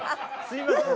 すいません。